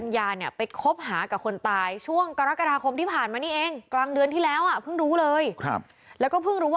ถ้ามันมาโหสิกรรมก็ไปโหสิกรรมให้มันลง